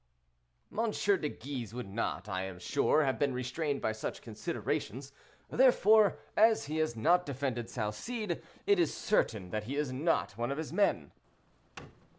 "M. de Guise would not, I am sure, have been restrained by such considerations; therefore, as he has not defended Salcede, it is certain that he is not one of his men."